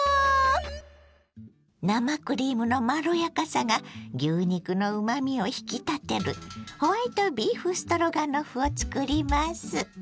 生クリームのまろやかさが牛肉のうまみを引き立てるホワイトビーフストロガノフを作ります。